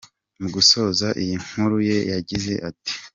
Mu gusoza iyi nkuru ye yagize ati ".